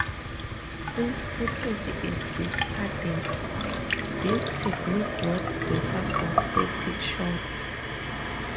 Since footage is discarded, this technique works better for static shots.